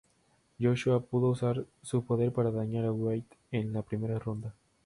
Joshua pudo usar su poder para dañar a Whyte en la primera ronda.